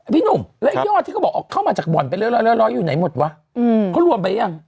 พี่หนุ่มแล้วยอดที่เขาบอกเข้ามาจากบ่อนไปเรียบร้อยอยู่ไหนหมดวะเขารวมไปยัง